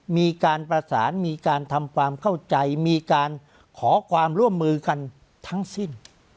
มีการประสานมีการทำความเข้าใจมีการขอความร่วมมือกันทั้งสิ้น